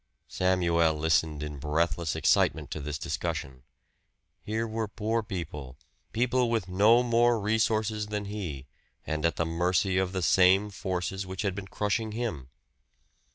Samuel listened in breathless excitement to this discussion. Here were poor people, people with no more resources than he, and at the mercy of the same forces which had been crushing him.